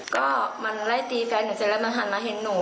ก็มันไล่ตีแฟนหนูเสร็จแล้วมันหันมาเห็นหนู